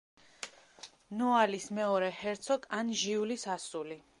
ნოალის მეორე ჰერცოგ ან ჟიულის ასული.